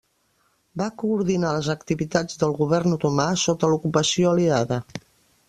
Va coordinar les activitats del govern otomà sota l'ocupació aliada.